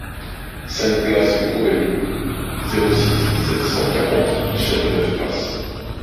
cinq place Le Courredou, zéro six, sept cent quarante à Châteauneuf-Grasse